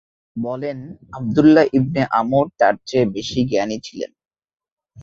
বলেন, Abdullah ibn Amr তার চেয়ে বেশি জ্ঞানী ছিলেন।